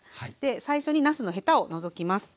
最初になすのヘタを除きます。